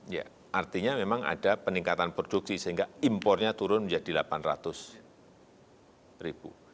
ya artinya memang ada peningkatan produksi sehingga impornya turun menjadi delapan ratus ribu